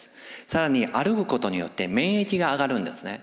更に歩くことによって免疫が上がるんですね。